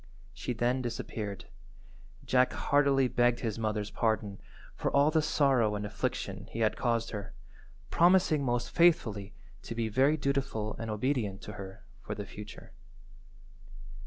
She then disappeared. Jack heartily begged his mother's pardon for all the sorrow and affliction he had caused her, promising most faithfully to be very dutiful and obedient to her for the future.